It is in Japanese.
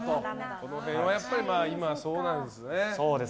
この辺は今はそうなんですね。